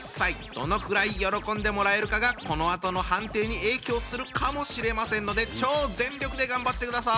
どのくらい喜んでもらえるかがこのあとの判定に影響するかもしれませんので超全力で頑張ってください！